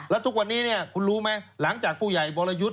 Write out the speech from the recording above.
แล้วทุกวันนี้คุณรู้ไหมหลังจากผู้ใหญ่บรยุทธ์